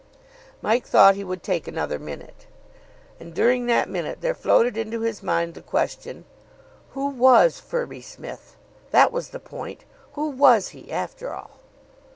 Mike thought he would take another minute. And during that minute there floated into his mind the question, Who was Firby Smith? That was the point. Who was he, after all?